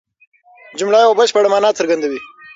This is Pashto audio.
جمله یوه بشپړه مانا څرګندوي.